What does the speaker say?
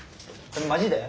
マジで？